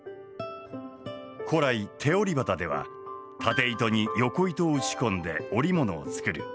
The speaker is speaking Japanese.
古来手織り機では経糸によこ糸を打ち込んで織物を作る。